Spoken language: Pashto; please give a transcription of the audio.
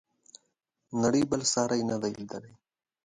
نړۍ بل ساری نه دی لیدلی.